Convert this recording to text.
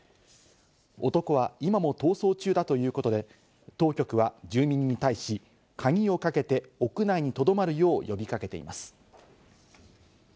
男は今も逃走中だということで当局は住民に対し、鍵をかけて屋内にとどまるよう呼び掛けています。